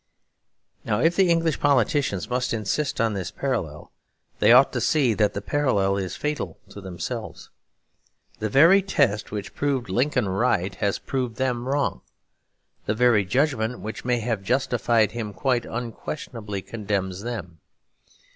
Now, if the English politicians must insist on this parallel, they ought to see that the parallel is fatal to themselves. The very test which proved Lincoln right has proved them wrong. The very judgment which may have justified him quite unquestionably condemns them.